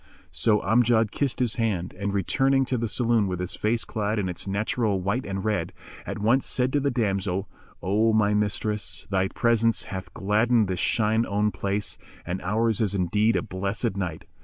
So Amjad kissed his hand, and, returning to the saloon with his face clad in its natural white and red, at once said to the damsel, "O my mistress, thy presence hath gladdened this shine own place and ours is indeed a blessed night."